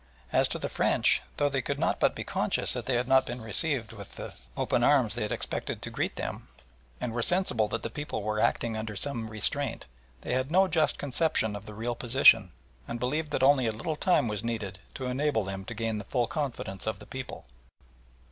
As to the French, though they could not but be conscious that they had not been received with the open arms they had expected to greet them, and were sensible that the people were acting under some restraint, they had no just conception of the real position, and believed that only a little time was needed to enable them to gain the full confidence of the people.